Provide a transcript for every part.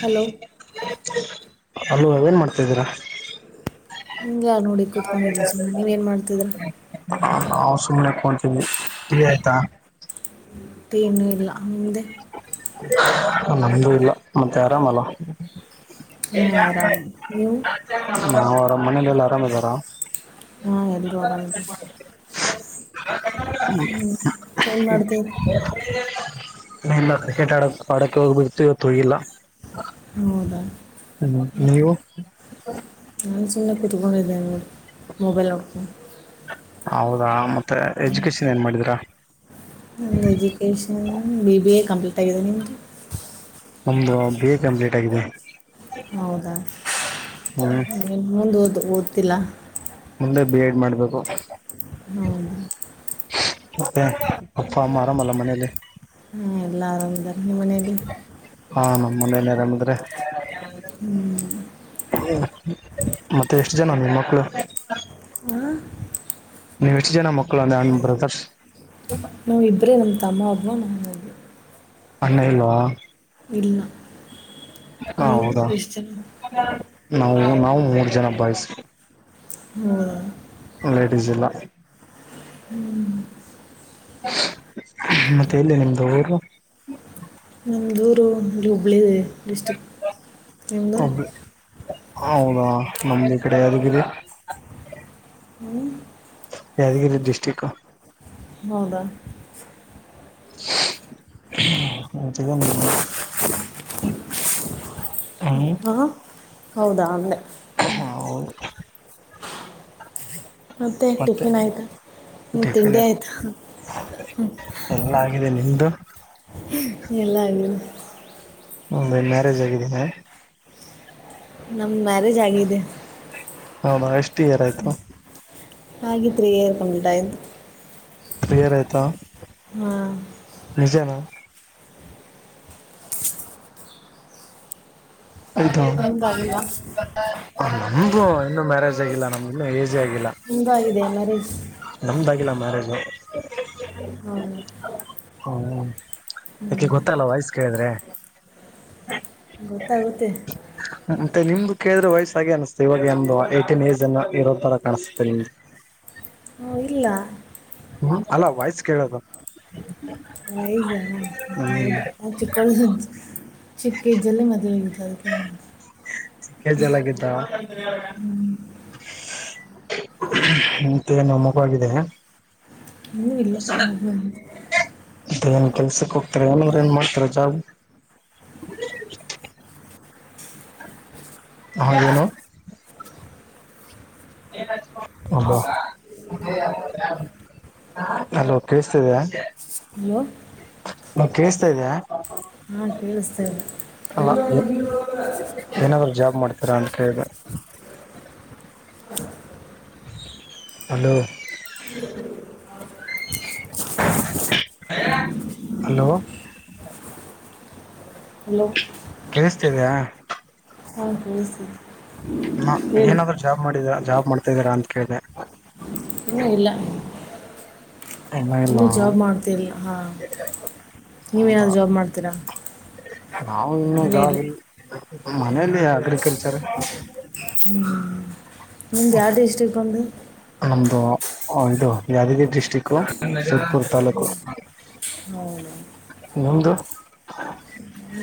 Hello hello ಏನ್ ಮಾಡ್ತಾಿದ್ದೀರಾ ಹಾಂಗೆ ನೋಡಿ ಕುೂತ್ಕೊಂಡಿದ್ದೆ ಸುಮ್ಮ ನೀವ ಏನ್ ಮಾಡ್ತಿದ್ರ ನಾವು ಸುಮ್ನೆ ಕಂತೀವಿ ಇ ಆಯ್ತಾ ತೇನುೂ ಇಲ್ಲ ಹ್ದೆ ನಮ್ದು ಇಲ್ಲ ಮತ್ತೆ ಆರಾಮಲ್ಲ ಹಾಂ ಆರಾಮ್ ನೀವು ನಾವುರಾಮ ಮನಲೆಲ್ಲ ಆರಾಮ್ದಾರಾ ಹಾ ಎಲ್ವಾ ನಲ್ ಹ್ಮ್ ಏನ್ ಮಾಡ್ರ ನಲ್ಲ ಕ್ರಿಕೆಟ್ ಆಡಕ್ ಆಡಕ್ಕೆ ಹೋಗ್ಬಿ ಇವತ್ತುಳಿಲ್ಲ ಹೌದಾ ಹ ನೀವು ಚಿನ್ನ ಕುತ್ಕೊಂಡ ಇದದೆ ಮೊಬೈಲ್ ಒಡ್ಕ ಹೌದಾ ಮತ್ತೆ ಎಜುಕೇಶನ್ ಏನ್ ಮಾಡಿದೀರಾ ಒ education B B A complete ಆಗಿದೆ ನಿ ನಮ್ದು ಬಿ ಎ ಕಂಪ್ಲೀಟ್ ಆಗಿದೆ ಹೌದಾ ಹ್ಮ್ ಮುಂದ ಓ ಓದ್ತಿಲ್ಲ ದೆ ಬಿ ಎಡ್ ಮಾಡ್ಬೇಕು ಹ್ಮ ಅಪ್ಪ ಅಮ್ಮರಾಮಲ್ಲ ಮನೇೆಯಲ್ಲಿ ಹ ಎಲ್ಲ ಆರದ ನಿಮ್ಮ ಮನೇಲಿ ಹಾಂ ನಮ್ಮ ಮನೆಯಲ್ಲಿೇರಾಮಿದ್ರೆ ಹ್ಮ್ ಮತ್ತೆ ಎಷ್ಟು ಜನ ನಿಮ್ಮ ಮಕ್ಕಳು ಹಾಂ ನೀವು ಎಷ್ಟ ಜನ ಮಕ್ಕಳ ಅಂದ ಬ್ರದರ್ಸ್ ನಾವ್ ಇಬ್ರೇ ನಮ್ ತಮ್ಮ ಅಬ್ಬ ನ ಅಣ್ಣಾ ಇಲ್ಲವಾ ಎಡಿಮ [unintelligible] ಹ ಹೌದಾ ನಾವು ನಾವು ಮೂರ್ ಜನ ಬಯಸ ಹ ಲಳ್ಳೇಡಿ ಜಿಲ್ಲಾ ಮತ್ತೆ ಇಲ್ಲ ನಿಮ್ದು ಊರು ನಮ್ಮ ಜೂರು ಹುಬ್ಬಳ್ಳಿ ಡಿಸ್ಟ್ರಿಕ್ ನಿಮ್ಮದು ಒಬ್ಬ ಹೌದಾ ನಮ್ದಿ ಈ ಕಡೆ ಯದಗಿದೆ ಹ್ಞೂ ಯಾದಗಿರಿ ಡಿಸ್ಟ್ರಿಕ್ ಹೌದ ಅಂತಗ [inaudible] ಹಾ ಹೌದ ಆಮಲೆ ಹ ಅವೌ [unintelligible] ಮತ್ತೆ ಆಕ್ಟಿಫಿನ್ ಆಯ್ತ [unintelligible] ಡೆಫಿನೆಟ್ ಎಲ್ಲ ಆಗಾಗಿದೆ ನಿಮ್ದು ಎಲ್ಲಾಗಿ ಒೆ ಮ್ಯಾರೇಜ್ ಆಗಿದ್ದೀನಾ [unintelligible] ನಮ್ಗ ಮ್ಯಾರೇಜ್ ಆಗಿದೆ ಹೌದಾ ಎಷ್ಟು ಇಯರ್ ಆಯ್ತು ಹಾಗಿತ್ತ್ರೀ [unintelligible] ಕ್ರಿಯರ್ ಐತಾ ಹಾ ನಿಜನ ಇದು ನಿಮ್ದಾಗಿಲ್ವ ನಮ್ದು ಇನ್ನುೂ ಮ್ಯಾರೇಜ್ ಆಗಿಲ್ಲ ನಮ್ ಇನ್ನ ಏಜ್ ಮದ್ವೆಯಾಗಿಲ್ಲ ನಿಮ್ಮದು ಆಗಿದೆ ಮ್ಯಾರೇಜ್ ನಮ್ದಾಗಿಲ್ಲ ಮ್ಯಾರೇಜು ಹಾಂ ಹು ಯಾಕೆ ಗೊತ್ತಲ್ಲ ವಯಸ್ ಕೇಳಿದ್ರೆ ಗೊತ್ತಾಗುತ್ತೆ ಮತ್ತೆ ನಿಮ್ದು ಕೇಳಿದ್ರ ವಾಯ್ಸ್ ಆಗೆ ಅನಿಸ್ತಿದೆ ಇವಾಗ ಒ ಏಟಿನ್ ಏಜ್ ಅನ್ನ ಇರೋ ತರ ಕಾಣಿಸತೆ ನಿಮ್ದು [inaudible] ಹ್ಞೂ ಇಲ್ಲ ಹ್ಮ ಅಲ್ಲ ವಯ್ಸ್ ಕೇಳದು ವಯ್ಸಾ ಹೌದು ಚಿಕ್ಕೋಳೆ ಚಿಕ್ಕ ಏಜ್ ಅಲ್ಲೆ ಮದ್ವೆಯಾಗಿದ್ದು ಅದಕ್ಕೆ ಚಿಕ್ಕ ಏಜ್ ಅಲ್ಲಿಯಾಗಿದ್ದ ಮತ್ತೆ ನಮಗೂ ಆಗಿದೆ ಏನು ಇಲ್ಲ ಮೊಬೈಲ್ ಅ ಏನ್ ಕೆಲ್ಸಕ್ಕೆ ಹೋಗ್ತಾರೆ ಅವ್ರೇನು ಏನ್ ಮಾಡ್ತಾರೆ ಜಾಬ್ ಹ ಏನು ಹೌದ ಅಲೋ ಕೇಳಿಸ್ತಾಇದಿಯ ಯೋ ನ ಕೇಳಸ್ತಾ ಇದ್ಯಾ ಹಾ ಕೇಳಸ್ತೇನೆ ಅಲ್ಲ [unintelligible] ಕೇಳ್ದೆ ಹಲೋ ಹಲೋ ಹಲೋ ಕೇಳಿಸ್ತಿದಿಯ ಹ ಕೇಳಿಸ್ತಿದೆ ಹಾ ಹೇಳಿ ಏನಾದ್ರ ಜಾಬ್ ಮಾಡಿದಿರ ಜಾಬ್ ಮಾಡ್ತಾ ಇದ್ದೀರಾ ಅಂತ ಕೇಳ್ದೆ ಹ್ಮೂ ಇಲ್ಲ ಎಣ್ಣೆ ಇಲ್ಲಾ ಇನ್ನೂ ಜಾಬ್ ಮಾಡ್ತಿಲ್ಲ ಹಾಂ [unintelligible] ನೀವೇನಾದ್ರು ಜಾಬ್ ಮಾಡ್ತೀರಾ ನಾವು ಜಾಬ್ ಮನೆಯಲ್ಲಿ ಮನೇಲಿ ಅಗ್ರಿಕಲ್ಚರ್ ಹ್ಮ ನಿಮ್ದ ಯಾವ್ ಡಿಸ್ಟ್ರಿಕ್ಟ್ ಅಂದೆ ನಮ್ದು ಯಾದಗಿರಿ ಡಿಸ್ಟ್ರಿಕ್ಟು ಸೂದ್ಪುರ್ ಹ್ಞೂ ತಾಲೂಕು ಹೌದಾ ನಿಮ್ದು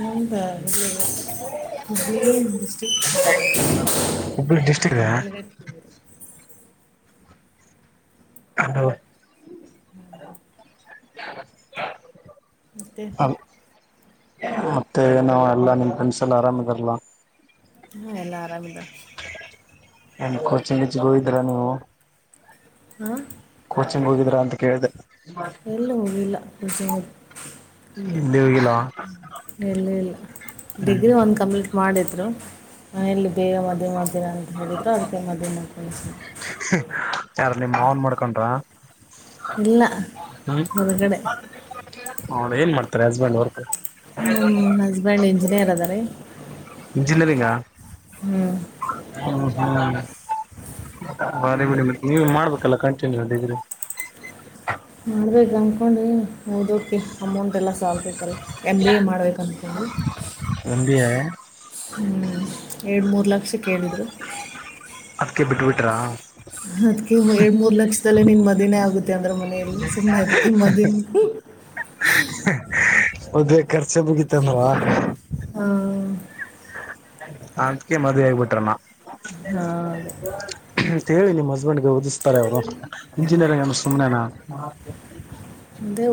ನಮ್ದು ಇಲ್ಲಿ ಹುಬ್ಬಳ್ಳಿ ಡಿಸ್ಟ್ರಿಕ್ ಹುಬ್ಬಳ್ಳಿ ಡಿಸ್ಟಿಕ್ [unintelligible] ಹಂಗೆ ಮತ್ತೆ ಮತ್ತೆ ನಾವ ಎಲ್ಲಾ ನಿಮ್ ಫೆಂಡ್ಸ್ ಎಲ್ಲ ಆರಾಮ್ ಇದಾರಲ್ಲ ಹಾ ಎಲ್ಲ ಆರಾಮ್ ಇದಾರೆ ನನ್ ಕೋಚ [unintelligible] ಹೋಗಿದಿರ ನೀವು ಹಾ ಕೋಚಿಂಗ್ ಹೋಗಿದ್ರ ಅಂತ ಕೇಳ್ದೆ ಎಲ್ಲು ಹೋಗ್ ಇಲ್ಲ [unintelligible] ಇಲ್ಲಿಗಲ ಎಲ್ಲ ಇಲ್ಲ ಡಿಗ್ರಿ ಒಂದು ಕಂಪ್ಲೀಟ್ ಮಾಡಿದರು ಎಲ್ಲಿ ಬೇಗ ಮದುವೆ ಮಾಡ್ತೀರಾ ಅಂತ ಹೇಳಿದ್ರು ಅಂತ ಮದುವೆ ಮಾಡಕಳಿಸಿಿ ಯಾರು ನಿಮ್ಮ ಮಾನ್ ಮಾಡ್ಕೊಂಡ್ರಾ. ಇಲ್ಲ ಹೊರಗಡೆ. ಹೌದ ಏನ್ ಮಾಡ್ತಾರೆ ಹಸ್ಬೆಂಡ್ ಅವರ್ ನಮ್ಮ್ ಹಸ್ಬೆಂಡ್ ಇಂಜಿನಿಯರ್ ಅದಾರ. ಇಂಜಿನಿಯರಿಂಗಾ ಹ್ಮ್ ಹ್ಮ- ಹ್ಮ್ ನೀವು ಮಾಡ್ಬೇಕಲ್ಲ ಕಂಟಿನ್ಯೂ ಅಲ್ಲಿದ್ರೆ. ಮಾಡ್ಬೇಕು ಅನ್ಡಿ [unintelligible] ಹೌದು ಓಕೆ ಅಮೌಂಟ್ ಎಲ್ಲ ಸಾಾವ ಬೇಕಲ್ಲ ಎಮ್ ಬಿ ಎ ಮಾಡ್ಬೇಕು ಅಂದ್ಕೊಂಡಿ. ಎಂ ಬಿ ಎ ಎರಡು ಮೂರು ಲಕ್ಷ ಕೇಳಿದರು. ಅದಕ್ಕೆ ಬಿಟ್ಬಿಟ್ರಾ. ಅದ್ಕ್ಕೆ ಎರಡ್ ಮೂರ್ ಲಕ್ಷದಲ್ಲೇ ನಿನ್ ಮದನೇ ಆಗುತ್ತೆ ಅಂದ್ರೆ ಮನೇಯಲ್ಲಿ ಸುಮ್ಮ್ನೆ ಅದ್ಕ್ ಮದ ಹ್ಮ್ ಹೌದ್ ಖರ್ಚ ಬಗೀತನ್ವಾ ಹ ಅದ್ಕ ಮದುವವೆ ಆಗಬಿಟ್ರಮ್ಮ. ಹೌ ಅಂತ ಹೇಳಿ ನಿಮ್ ಹಸ್ಬೆಂಡ್ಗೆ ಓದಿಸ್ತಾರೆ ಅವ್ರು ಇಂಜಿನಿಯರಿಂಗ್ ಅ ಸುಮ್ನೆನಾ.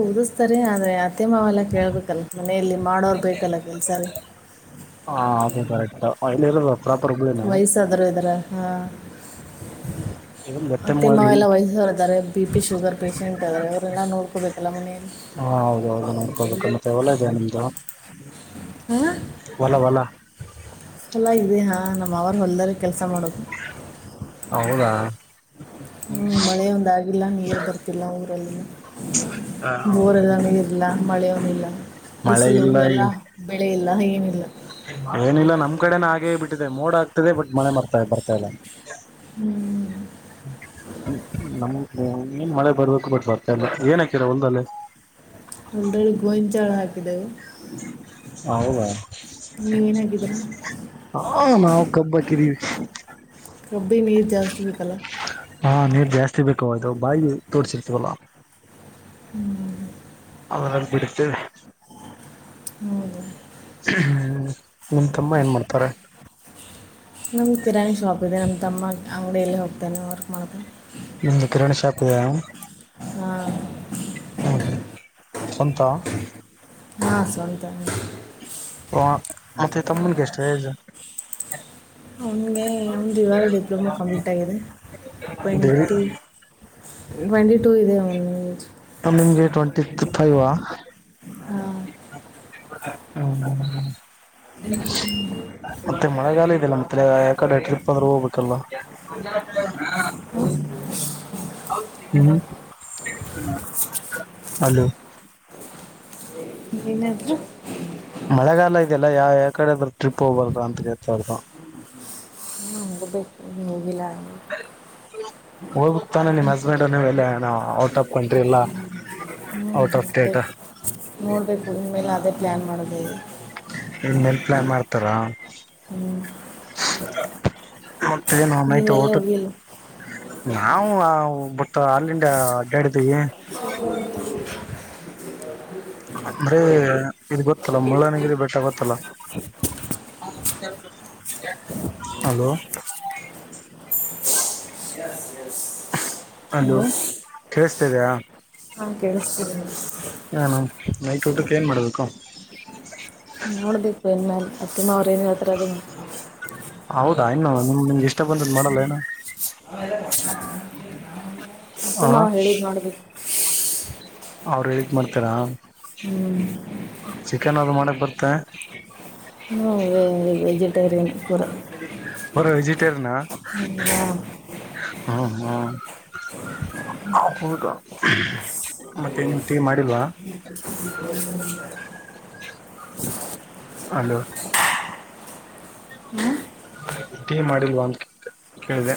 ಅದು ಸ್ತರ ಆ- ಆದಂದ್ರೆ ಅತ್ತೆ ಮಾವೆಲ್ಲ ಕೇಳ್ಬೇಕಲ್ಲ ಮನೆಯಲ್ಲಿ ಮಾಡೋರ್ ಬೇಕಲ್ಲ ಕೆಲ್ಸ ಎಲ್ಲ. ಆಯ ವಯಸಾದ್ರೂ ಇದ್ರ ಹಾ- ಏನ್ ಗೊತ್ತೆ ಮಾಡ ಮತ್ತೆಮ್ಮೆಲ್ಲ ವಯಸ್ಸ ಹೊರ್ತಾರೆ ಬಿ ಪಿ ಶುಗರ್ ಪಷೆಂಟ್ ಅವ್ರಲ್ಲ ನಡ್ಕೋಬೇಕಲ್ಲ ಮನಿ [unintelligible] ಬೇಕ ಮತ್ತೆ ಹೊಲ ಇದೆ ನಿಮ್ದು ಹಾಂ ಹೊಲ ಹೊಲ ಎಲ ಇದೆ ಹಾಂ ನಮ್ಮ ಅವರು ಹೊಲ್ದಾರೆ ಕೆಲಸ ಮಾಡೋದು. ಹೌದಾ ಹ್ಮ್ -ಮಳೆ ಒಂದಾಗಿಲ್ಲ ನೀರು ಬರ್ತಿಲ್ಲ ಊರಲ್ಲಿ ಬೋರ್ ಎಲ್ಲಾನೇ ಇರ್ಲ್ಲ ಮಳೆನಿಲ್ಲ ಮಳೆ ಬಿಸಿಲು ಇಲ್ಲ ಎಲ್ಲಾ ಬೆಳೆ ಇಲ್ಲ ಏನಿಲ್ಲ. ಏನಿಲ್ಲ ನಮ್ ಕಡೆನ ಹಾಗೇ ಬಿಟ್ಟಿದೆ ಮೋಡ್ ಆಗ್ತಿದೆ ಬಟ್ ಮಳೆ ಮರ್ತಾ ಬರ್ತಾ ಇಲ್ಲ. ಹ್ಮ್ ನಮ್ನ್ ಮಳೆ ಬರ್ಬೇಕು ಬಟ್ ಬರ್ತಾಲ್ಲ ಏನ್ ಹಕಿರ ಹೊಲ್ಲ್ಲಿ ಒಲ್ಗೋಂಚಾಳ ಹಾಕಿದ್ದೇವೆ ಹೌದಾ ನೀವೇನಾಗಿದ್ದೀರಾ ಹಾ- ನಾವು ಕಬ್ಬಕಿದೀವಿ. ರಬ್ಬಿ -ನೀ -ಜಸ್ತಿವಿ ಕಲ್ಲ. ಹಾ ನೀರ್ ಜಾಸ್ತಿ ಬೇಕು ಅದು ಬಾಯಿ ತೋಡ್ಸಿರ್ತವಲ್ಲ. ಹ್ಮ್ -ಹ್ಮ್ಮ ಅದಲ್ಲಿ ಬಿಡ್ತೇದೆ. ಹೌದ ಹ್ಮ್ -ನಿಮ್ಮ ತಮ್ಮ ಏನ್ ಮಾಡ್ತಾರೆ. ನಮಗೆ ಕಿರಾಣಿ ಶಾಪ್ ಇದೆ ನಮ್ಮ ತಮ್ಮ ಅಂಗಡಿಯಲ್ಲಿ ಹೋಗ್ತಾನೆ ವರ್ಕ್ ಮಾಡ್ತಾನೆ. ನಿಮಂದು ಕಿರಣ್ ಶಾಪದ ಹ್ಮ- ಸಂತ ಹಾ ಸ್ವಂತನೇ ಹ ಮತ್ತೆ ತಮ್ಮನ್ಗೆ ಎಷ್ಟೇ ಏಜ್ ಅವನಿಗೆ ಅವಂದ ಇವಾಗ ಡಿಪ್ಲೊಮಾ ಕಂಪ್ಲೀಟ್ ಆಗಿದೆ ಡಿಗ್ರಿ ಟ್ವೆಂಟಿ ಟ್ವೆಂಟಿ ಟೂ ಇದೆ ಅವಂದ ತಮ್ಮಂಗೆ ಟ್ವೆಂಟಿ ಫೈವ್ ಹಾಂ ಹ್ಮ್ ಹ್ಮ್ಮ ಮತ್ತೆ ಮಳೆಗಾಲ ಇದೆಲ್ಲಮ್ಮ ಮತ್ತ ಯಾಕಡೆ ಟ್ರಿಪ್ ಅಂದ್ರ ಹೋಗ್ಬೇಕಲ್ಲವ. ಹಾ ಹಲೋ ಏನಾದರು ಮಳೆಗಾಲ ಇದೆಯಲ್ಲ ಯಾವ ಯಾವ ಕಡೆ ಅದ್ರ ಟ್ರಿಪ್ ಹೋಗ್ಬಾರ್ದು ಅಂತ ಗೇತಾರ್ದ ನ ಬೆ ನೂಗಿಲ್ಲ ಅ ಹೋಗಬೇಕತಾನೆ ನಿಮ್ಮ್ ಹಸ್ಬೆಂಡ್ಲೆ ನೀವ್ ಎಲ್ಲೆ ಔಟ್ ಆಫ್ ಕಂಟ್ರಿ ಎಲ್ಲ ಔಟ್ ಆಫ್ ಸ್ಟೇಟ್ ಹ್ಞೂಹೋಗ್ಬೇಕು ನೋಡಬೇಕು ಇನ್ ಮೇಲೆ ಅದೇ ಪ್ಲ್ಯಾನ್ ಮಾಡೋದೆ. ಇನ್ಮೇಲೆ ಪ್ಲಾನ್ ಮಾಡ್ತಾರ ಹ್ಮ್ ಮತ್ತೇನು ನೈಟ್ ಊಟಕ್ ನಾವ್ ನಾವ್ ಬಟ್ಟ ಅಲ್ಲಿಂದ ಅಡ್ಡಾಡಿದಿವಿ ಹತ ಅಂದ್ರೆ ಇದ ಗೊತ್ತಲ್ಲ ಮುಳ್ಳಯ್ಯನಗಿರಿ ಬೆಟ್ಟ ಗೊತ್ತಲ್ಲ. ಹಲೋ ಅದು ಹಲೋ ಕೇಳಿಸ್ತಾ ಇದಿಯಾ ಹಾ ಕೇಳಿಸ್ತಿದೆ. ನೈಟ್ ಊಟಕ್ಕೆ ಏನ್ ಮಾಡ್ಬೇಕು. ಅತ್ತಿಮಾವರೇನ್ ಹೇಳ್ತಾರ ಅದ ಹೌದಾ ಇನ್ನು ನಿಮ ನಿಮ್ಗೆ ಇಷ್ಟ ಬಂದದ ಮಾಡಲ್ಲ ಏನ ಅತ್ತೆ ಮಾವ್ ಹೇಳಿದ್ ಮಾಡ್ಬೇಕು ಅವ್ರು ಹೇಳಿದ್ ಮಾಡ್ತಿರಾ ಚಿಕನ್ ಅದು ಮಾಡಕ್ ಬರ್ತತ್ ನೋ ವೆ ವೆಜಿಟೇರಿಯನ್ ಬರತ್ತೆ ಅವರು ವೆಜಿಟೇರಿಯನ ಹ್ಮ್. ಹ್ಮ್ ಹ್ಮ್ ಹೌದಾ ಮತ್ತೆ ಏನು ಟೀ ಮಾಡಿಲ್ವಾ [inaudible] ಹಲೋ ಹ್ಮ್. ಟೀ ಮಾಡಿಲ್ವಾ ಅಂತ ಕೇಳ್ದೆ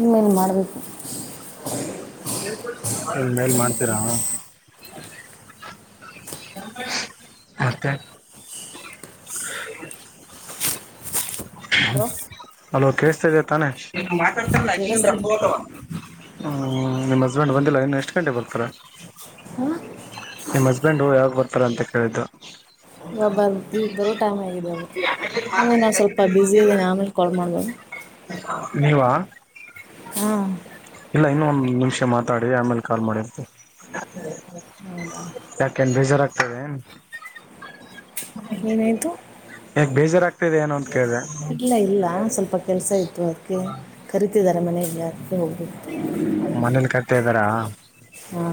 ಇನ್ನೇನು ಮಾಡಬೇಕು ಇನ್ ಮೇಲ್ ಮಾಡ್ತೀರಾ ಮತ್ತೆ ಹಲೋ ಹಲೋ ಕೇೇಳಿಸತಾ ಇದ ತಾನೆ ಮಾತಾಡತಾ ಹಾಂ ಇದಿರಲ್ಲ ಆಕೀಗೆನ ಕೇಳಿಸ್ತಿದೆ ರೊಕ್ಕ ಬರ್ತಾವ ಹ ನಿಮ್ಮ ಹಸ್ಬೆಂಡ್ ಬಂದಿಲ್ಲ ಇನ್ನು ಎಷ್ಟು ಗಂಟೆ ಬರ್ತಾರೆ. ಹಾಂ ನಿಮ್ಮ ಹಸ್ಬೆಂಡು ಯಾವಾಗ್ ಬರ್ತಾರೆ ಅಂತ ಕೇಳಿದ್ದು ಇವಗ ಬರ್ತಿದರ ಟೈಮ್ ಆಗೀತೆ ಆಮೇಲೆ ನಾ ಸ್ವಲ್ಪ ಬಿಸಿ ಇದ್ದೀನಿ ಆಮೇಲೆ ಕಾಲ್ ಮಾಡಬೇಕ ನೀವಾ ಹಾ ಇಲ್ಲ ಇನ್ನ ಒಂದ್ ನಿಮಿಷ ಮಾತಾಡಿ ಆಮೇಲೆ ಕಾಲ್ ಮಾಡಿ ಹೌದಾ ಏಕೆ ಬೇಜರ್ ಆಗ್ತದೆಯಾ ಏನಾಯ್ತು ಯಾಕ್ ಬೇಜಾರ ಆಗ್ತದೆ ಏನಂತ ಇಲ್ಲ ಇಲ್ಲ ಸ್ವಲ್ಪ ಕೆಲ್ಸ ಇತ್ತು ಅದಕ್ಕೆ ಕರಿತಿದ್ದಾರೆ ಮನೆಯಲ್ಲಿ ಅದಕ್ಕೆ ಹೋಗಬೇಕ. ಮನೇಲಿ ಕಟ್ಟ ಇದ್ದಾರಾ? [inaudible] ಹೂ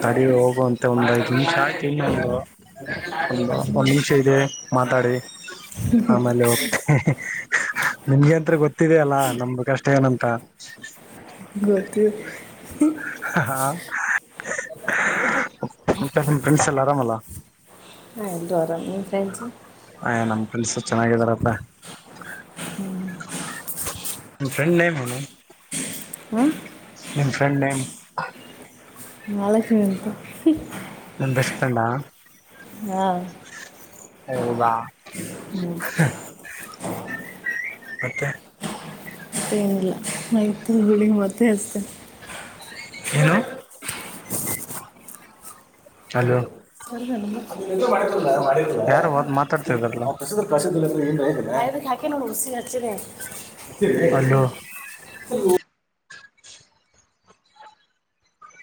ತಡಿ ಹೋಗುವಂತೆ ಒಂದ್ ಐದ್ ನಿಮಿಷ ಆಯ್ತು ಇನ್ನೊ ಒಂದು. [inaudible] ಒಂದು ಒಂದ್ ನಿಮಿಷ ಇದೆ ಮಾತಾಡಿ. [inaudible] ಆ ಮೇಲೆ [inaudible] ನಿಮ್ಗೆ ಅಂತರ ಗೊತ್ತಿದಲ್ಲಾ ನಮ್ಮ ಕಷ್ಟ ಏನಂತ? ಗೊತ್ತು. [inaudible] ಹ ಹಾ [inaudible] ಮತ್ತೆ ನಿಮ್ಮ ಪ್ರೆಂಡ್ಸ್ ಆರಾಮ ಅಲ್ಲ. [inaudible] ನಂದು ಆರಾಮ್ ನಿಮ್ಮ ಪ್ರೆಂಡ್ಸ್? ಅಯ್ಯ ನಮ್ಮ ಪ್ರೆಂಡ್ಸ್ ಚೆನ್ನಾಗಿದಾರಪ್ಪ. [inaudible] ನಿಮ್ಮ ಫ್ರೆಂಡ ನೇಮ್ ಏನು? [inaudible] ಹಾಂ ನಿಮ್ಮ ಫ್ರೆಂಡ ನೇಮ್? ಮಹಾಲಕ್ಷ್ಮಿ ಅಂತ. [inaudible] ಏನ್ ಬೆಸ್ಟ್ ಫ್ರೆಂಡಾ? ಹಾ ಹೌದಾ? [inaudible] ಹೂ [inaudible] ಮತ್ತೆ? [inaudible] ಮತ್ತೇ ಏನ್ ಇಲ್ಲಾ ಆಯ್ತು ಬಿಡಿ ಮತ್ತೆ ಹಚ್ತೀನಿ. [inaudible] ಏನು ಹಲೋ? [inaudible] [inaudible] [unintelligible] ನಾ ಯಾರು ಮಾತಾಡ್ತಾ ಇದಾರಲ್ಲ ಇದಕ್ ಹಾಕಿನ ನೋಡು ಓಸಿಗೆ ಹಚ್ಚಿನೀ. ಹಲೋ [inaudible]